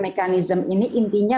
mekanisme ini intinya